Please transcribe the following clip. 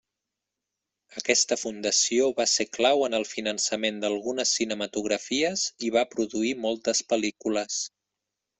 Aquesta fundació va ser clau en el finançament d'algunes cinematografies i va produir moltes pel·lícules.